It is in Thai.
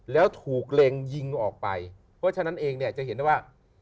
แล้วถูกเล็งยิงออกไปเพราะฉะนั้นเองเนี่ยจะเห็นได้ว่า